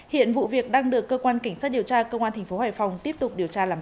hiện vụ việc đang được cơ quan cảnh sát điều tra công an thành phố hải phòng tiếp tục điều tra làm rõ